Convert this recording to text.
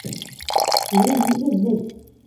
卒于任内。